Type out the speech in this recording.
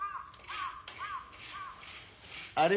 あれ？